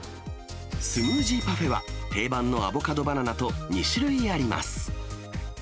スムージーパフェは定番のアボカドバナナと２種類あります。